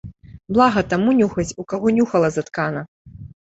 Блага таму нюхаць, у каго нюхала заткана.